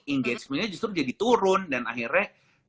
engagement nya justru jadi turun dan akhirnya